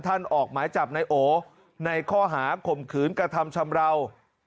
ออกหมายจับนายโอในข้อหาข่มขืนกระทำชำราว